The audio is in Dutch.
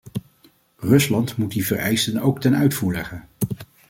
Rusland moet die vereisten ook ten uitvoer leggen.